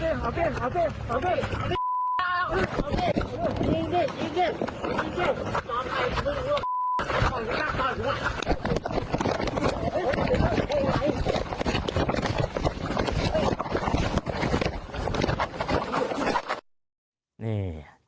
จะเจอกระบองพิฆาตได้เสมอพอที่สิ่งน้ำลิกค่ะ